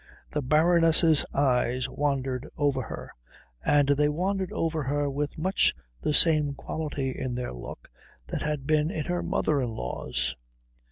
The Baroness's eyes wandered over her, and they wandered over her with much the same quality in their look that had been in her mother in law's.